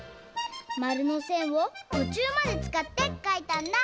まるのせんをとちゅうまでつかってかいたんだ！